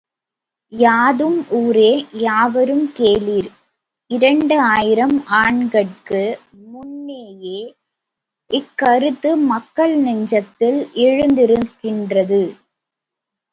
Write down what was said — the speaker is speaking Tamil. யாதும் ஊரே யாவரும் கேளிர் இரண்டு ஆயிரம் ஆண்டுகட்கு முன்னேயே இக்கருத்து மக்கள் நெஞ்சத்தில் எழுந்திருக்கின்றது.